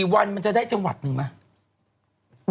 วันมันจะได้จังหวัดหนึ่งไหม